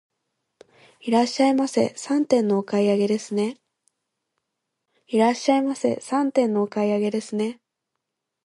いらっしゃいませ、三点のお買い上げですね。